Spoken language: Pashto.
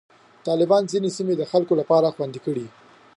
طالبانو ځینې سیمې د خلکو لپاره خوندي کړې.